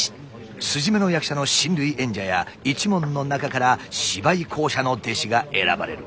筋目の役者の親類縁者や一門の中から芝居巧者の弟子が選ばれる。